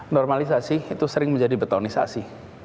normalisasi itu sering menjadi betonisasi